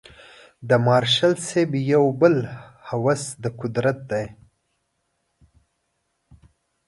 د مارشال صاحب یو بل هوس د قدرت دی.